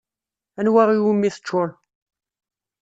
Anwa iwimi teččur?